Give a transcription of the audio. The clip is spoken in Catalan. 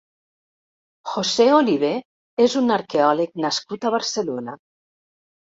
José Oliver és un arqueòleg nascut a Barcelona.